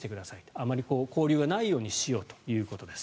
あまり交流がないようにしようということです。